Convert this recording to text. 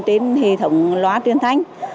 trên hệ thống loa truyền thanh